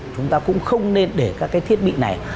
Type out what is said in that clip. chúng ta cũng không nên để các cái thiết bị này